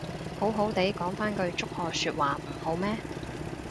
好好哋講返句祝賀說話唔好咩